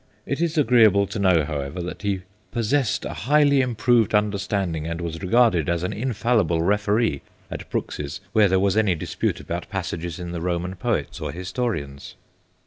It is agreeable to know, however, that he c pos sessed a highly improved understanding, and was regarded as an infallible referee at Brooks's when there was any dispute about passages in the Roman poets or historians.